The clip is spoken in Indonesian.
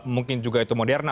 mungkin juga itu moderna